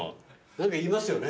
何か言いますよね？